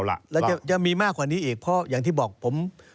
แล้วจะมีมากกว่านี้อีกเพราะอย่างที่บอกผม